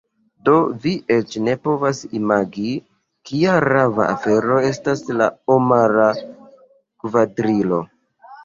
Do vi eĉ ne povas imagi, kia rava afero estas la Omara Kvadrilo.